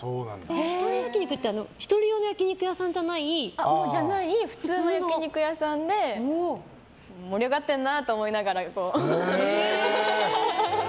１人用の焼き肉屋さんじゃない？じゃない普通の焼き肉屋さんで盛り上がってるなと思いながらこう。